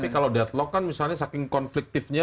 tapi kalau deadlock kan misalnya saking konflik tiba tiba